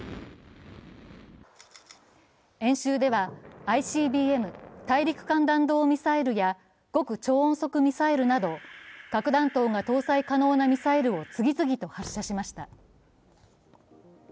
演習では、ＩＣＢＭ＝大陸間弾道ミサイルや極超音速弾道ミサイルなど核弾頭が搭載可能なミサイルを次々と発射しました。